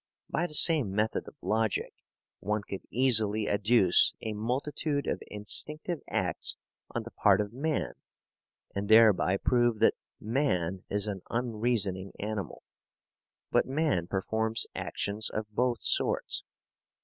By the same method of logic one could easily adduce a multitude of instinctive acts on the part of man and thereby prove that man is an unreasoning animal. But man performs actions of both sorts.